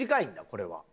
これは。